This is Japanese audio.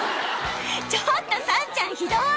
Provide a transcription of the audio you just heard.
ちょっとさんちゃんひどい！